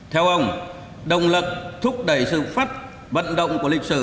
theo ông động lực thúc đẩy sự phát vận động của lịch sử